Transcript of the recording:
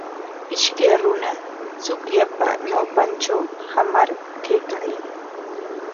Ishkay runa chukllapa ñawpantraw hamar kaykaayan.